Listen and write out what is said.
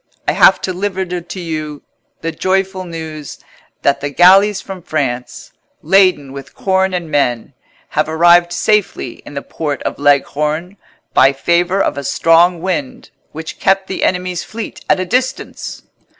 I have to deliver to you the joyful news that the galleys from France, laden with corn and men, have arrived safely in the port of Leghorn, by favour of a strong wind, which kept the enemy's fleet at a distance."